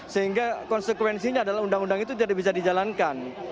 sehingga konsekuensinya adalah undang undang itu tidak bisa dijalankan